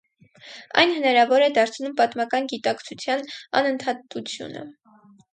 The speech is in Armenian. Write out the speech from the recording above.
Այն հնարավոր է դարձնում պատմական գիտակցության անընդհատությունը։